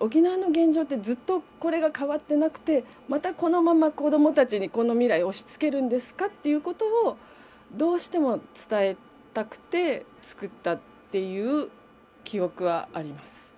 沖縄の現状ってずっとこれが変わってなくてまたこのまま子どもたちにこの未来を押しつけるんですかっていうことをどうしても伝えたくて作ったっていう記憶はあります。